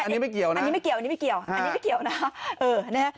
อันนี้ไม่เกี่ยวนะอันนี้ไม่เกี่ยวอันนี้ไม่เกี่ยวอันนี้ไม่เกี่ยวนะ